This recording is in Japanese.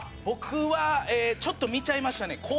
僕はちょっと見ちゃいましたね。